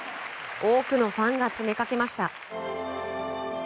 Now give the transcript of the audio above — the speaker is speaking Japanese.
多くのファンが詰めかけました。